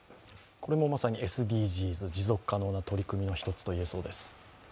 これもまさにＳＤＧｓ、持続可能な取り組みの一つと言えそうです。